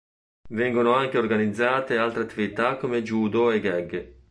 Vengono anche organizzate altre attività come judo e gag.